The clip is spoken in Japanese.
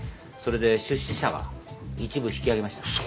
それで出資者が一部引き揚げました。